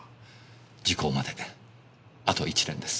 時効まであと１年です。